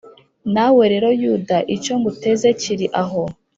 Nawe rero Yuda, icyo nguteze kiri aho,